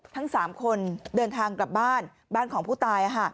ทั้ง๓คนเดินทางกลับบ้านบ้านของผู้ตาย